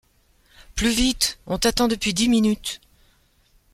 Plus vite ! On t’attend depuis dix minutes !